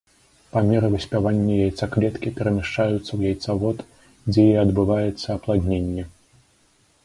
Па меры выспявання яйцаклеткі перамяшчаюцца ў яйцавод, дзе і адбываецца апладненне.